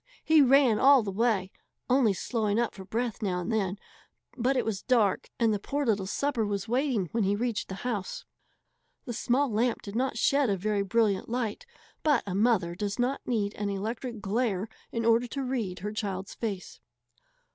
He ran all the way, only slowing up for breath now and then, but it was dark, and the poor little supper was waiting when he reached the house. The small lamp did not shed a very brilliant light, but a mother does not need an electric glare in order to read her child's face.